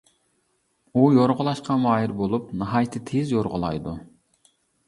ئۇ يورغىلاشقا ماھىر بولۇپ، ناھايىتى تېز يورغىلايدۇ.